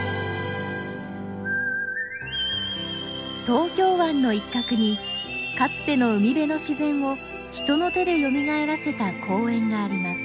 東京湾の一角にかつての海辺の自然を人の手でよみがえらせた公園があります。